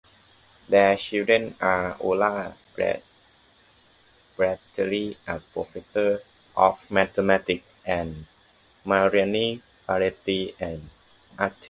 Their children are Ola Bratteli, a professor of mathematics, and Marianne Bratteli, an artist.